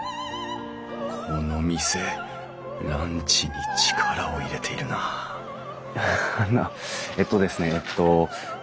この店ランチに力を入れているなあのえっとですねえっと。